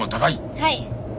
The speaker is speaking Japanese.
はい。